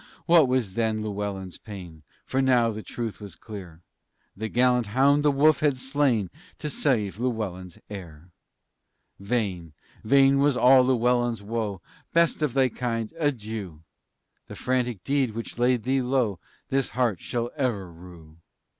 What was then Llewellyn's pain! For now the truth was clear: The gallant hound the wolf had slain To save Llewellyn's heir. Vain, vain was all Llewellyn's woe; "Best of thy kind, adieu! The frantic deed which laid thee low This heart shall ever rue!"